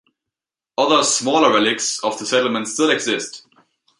Other smaller relics of the settlement still exist.